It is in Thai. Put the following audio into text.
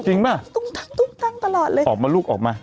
จริงป่ะตุ้งตังตลอดเลยออกมาลูกออกมา